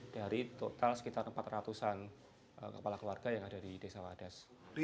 dari total sekitar empat ratus an kepala keluarga yang ada di desa wadas